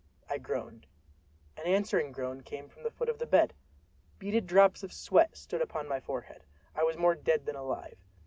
I groaned. An answering groan came from the foot of the bed! Beaded drops of sweat stood upon my forehead. I was more dead than alive.